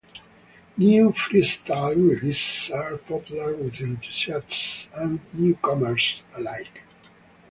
New freestyle releases are popular with enthusiasts and newcomers alike.